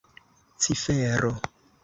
cifero